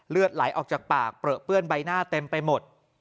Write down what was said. เลือดไหลออกจากปากเปลือเปื้อนใบหน้าเต็มไปหมด